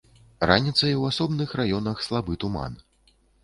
Раніцай у асобных раёнах слабы туман.